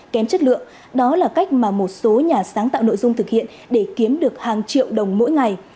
kém chất lượng đó là cách mà một số nhà sáng tạo nội dung thực hiện để kiếm được hàng triệu đồng mỗi ngày